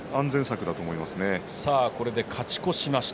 これで勝ち越しました。